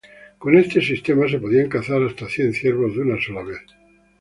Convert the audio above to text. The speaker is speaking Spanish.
Con este sistema se podían cazar hasta cien ciervos de una sola vez.